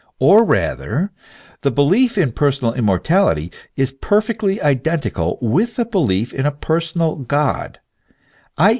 Or rather : the belief in personal immortality is perfectly identical with the belief in a personal God ; i.